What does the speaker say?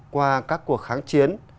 qua các cuộc kháng chiến